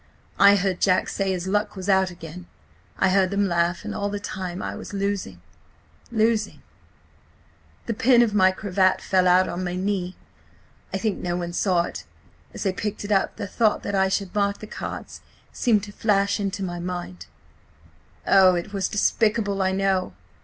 I heard Jack say his luck was out again–I heard them laugh. ... And all the time I was losing. .. losing. "The pin of my cravat fell out on to my knee. I think no one saw it. As I picked it up the thought that I should mark the cards seemed to flash into my mind–oh, it was despicable, I know!